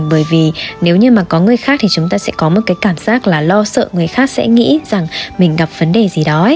bởi vì nếu như mà có người khác thì chúng ta sẽ có một cái cảm giác là lo sợ người khác sẽ nghĩ rằng mình gặp vấn đề gì đó